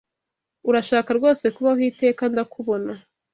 Urashaka rwose kubaho iteka ndakubona